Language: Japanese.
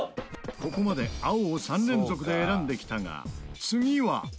ここまで青を３連続で選んできたが次は？